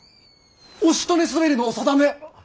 おしとねすべりのお定め！